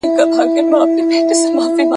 ماشومان په خاموشۍ غوږ نیسي.